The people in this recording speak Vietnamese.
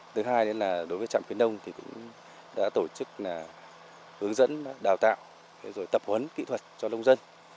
thứ hai là đối với trạm khuyến nông thì cũng đã tổ chức hướng dẫn đào tạo rồi tập huấn kỹ thuật cho nông dân